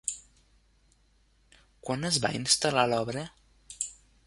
Quan es va instal·lar l'obra?